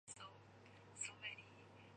这些遗民向准噶尔汗国交毛皮税。